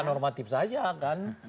ya normatif saja kan